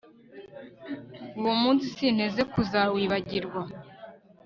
uwo munsi sinteze kuzawibagirwa